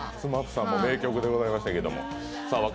ＳＭＡＰさんの名曲でございましたけど。